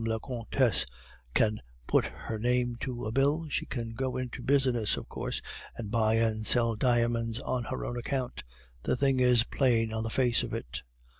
la Comtesse can put her name to a bill, she can go into business, of course, and buy and sell diamonds on her own account. The thing is plain on the face of it!